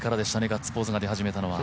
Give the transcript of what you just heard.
ガッツポーズが出始めたのは。